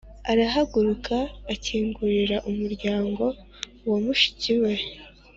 arahaguruka , akingurira umuryango wa mushiki we